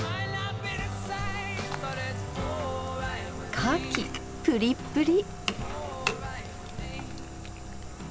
かきプリップリ！